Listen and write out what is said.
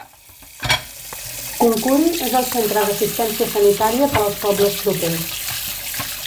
Kunkuri és el centre d'assistència sanitària per als pobles propers.